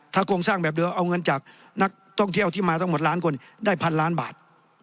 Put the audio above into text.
โครงสร้างแบบเดียวเอาเงินจากนักท่องเที่ยวที่มาทั้งหมดล้านคนได้พันล้านบาท